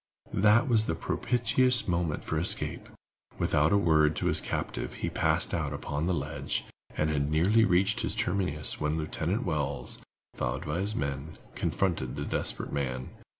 That was the propitious moment for escape. Without a word to his captive, he passed out upon the ledge, and had nearly reached its terminus when Lieutenant Wells, followed by his men, confronted the desperate man.